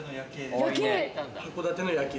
函館の夜景。